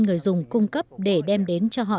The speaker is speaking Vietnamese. người dùng cung cấp để đem đến cho họ